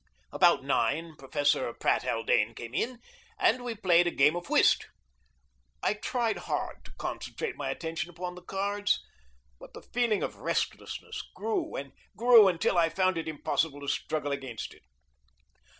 About nine Professor Pratt Haldane came in, and we played a game of whist. I tried hard to concentrate my attention upon the cards, but the feeling of restlessness grew and grew until I found it impossible to struggle against it.